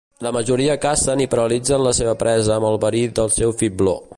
La majoria cacen i paralitzen la seva presa amb el verí del seu fibló.